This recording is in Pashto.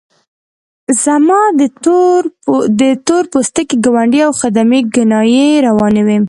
زما د تور پوستي ګاونډي او خدمې کنایې روانې وې.